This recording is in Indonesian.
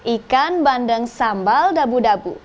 ikan bandeng sambal dabu dabu